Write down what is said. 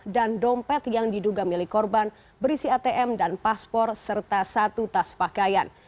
dan dompet yang diduga milik korban berisi atm dan paspor serta satu tas pakaian